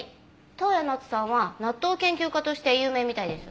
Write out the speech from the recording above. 登矢奈津さんは納豆研究家として有名みたいです。